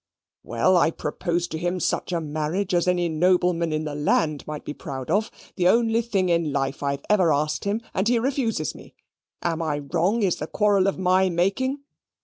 Well, I propose to him such a marriage as any nobleman in the land might be proud of the only thing in life I ever asked him and he refuses me. Am I wrong? Is the quarrel of MY making?